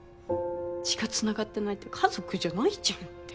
血がつながってないって家族じゃないじゃんって。